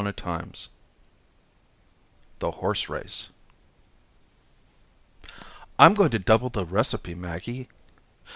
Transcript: CHAPTER X The Horse Race "I'm going to double the recipe, Maggie."